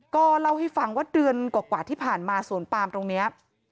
ก็เล่าให้ฟังว่าเดือนกว่าที่ผ่านมาสวนปามตรงนี้